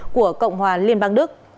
của cộng hòa liên bang đức